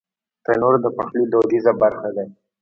تنور د پخلي دودیزه برخه ده